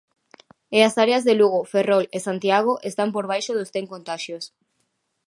E as áreas de Lugo, Ferrol e Santiago están por baixo dos cen contaxios.